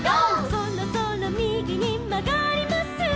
「そろそろひだりにまがります」